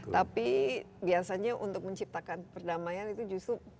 tapi biasanya untuk menciptakan perdamaian itu justru peralatan yang cahaya